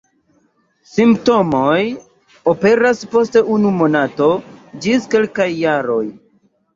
Simptomoj aperas post unu monato ĝis kelkaj jaroj.